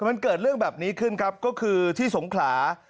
มันเกิดเรื่องแบบนี้ขึ้นครับก็คือที่สงขลา